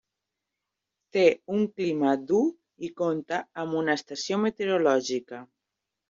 Té un clima dur i compta amb una estació meteorològica.